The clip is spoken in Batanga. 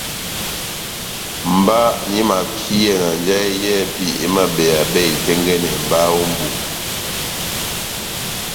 Mba nahimakiyɛ na njahɛ yɛ́hɛpi emabeyabɛ itɛ́ngɛ́nɛ mba ó mbu